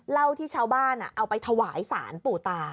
เหล้าที่ชาวบ้านเอาไปถวายสารปู่ตา